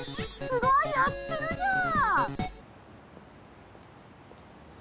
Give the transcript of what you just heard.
すごいやってるじゃん！